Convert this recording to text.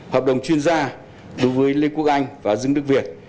hợp đồng chuyên gia đối với lê quốc anh và dương đức việt